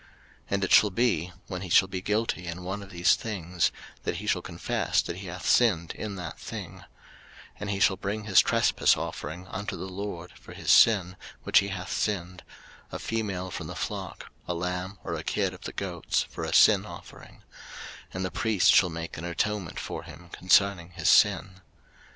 03:005:005 And it shall be, when he shall be guilty in one of these things, that he shall confess that he hath sinned in that thing: 03:005:006 And he shall bring his trespass offering unto the LORD for his sin which he hath sinned, a female from the flock, a lamb or a kid of the goats, for a sin offering; and the priest shall make an atonement for him concerning his sin.